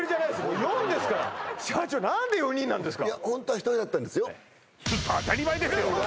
もう４ですから社長何で４人なんですか